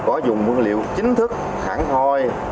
có dùng nguyên liệu chính thức khẳng thoi